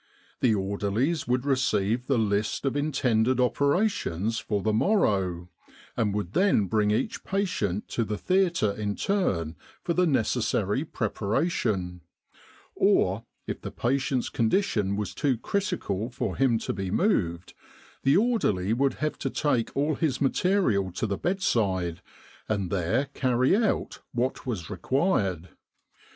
The orderlies would receive the list of intended operations for the morrow, and would then bring each patient to the theatre in turn for the neces sary preparation ; or, if the patient's condition was too critical for him to be moved, the orderly would have to take all his material to the bedside and there carry out what was required.